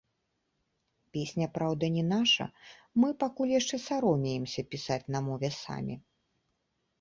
Песня, праўда, не наша, мы пакуль яшчэ саромеемся пісаць на мове самі.